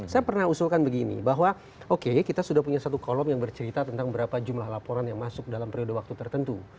saya pernah usulkan begini bahwa oke kita sudah punya satu kolom yang bercerita tentang berapa jumlah laporan yang masuk dalam periode waktu tertentu